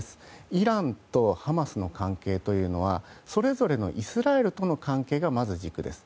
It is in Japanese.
イランとハマスの関係というのはそれぞれのイスラエルとの関係がまず軸です。